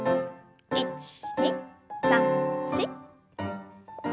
１２３４。